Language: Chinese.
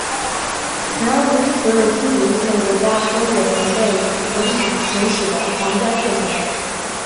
然而不是所有君主立宪国家都有能被独立行使的皇家特权。